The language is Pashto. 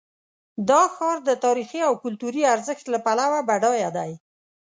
دا ښار د تاریخي او کلتوري ارزښت له پلوه بډایه دی.